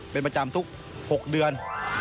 เป็นประจำทุก๖เดือน